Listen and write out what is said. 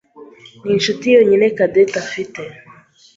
ni inshuti yonyine Cadette afite.